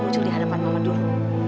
ujuk di hadapan mama dulu